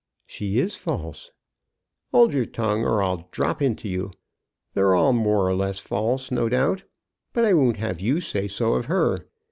"She is false." "Hold your tongue, or I'll drop into you. They're all more or less false, no doubt; but I won't have you say so of her.